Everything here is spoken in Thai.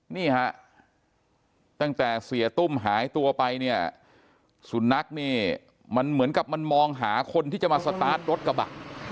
นี่ฮะตั้งแต่เสียตุ้มหายตัวไปเนี่ยสุนัขนี่มันเหมือนกับมันมองหาคนที่จะมาสตาร์ทรถกระบะ